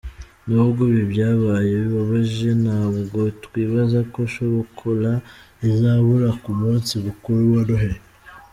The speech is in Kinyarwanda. "Nubwo ibi byabaye bibabaje, ntabwo twibaza ko shokola izabura ku munsi mukuru wa Noheli".